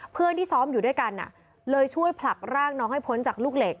เพื่อนที่ซ้อมอยู่ด้วยกันเลยช่วยผลักร่างน้องให้พ้นจากลูกเหล็ก